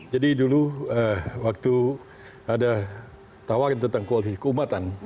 jadi dulu waktu ada tawaran tentang koalisi keumatan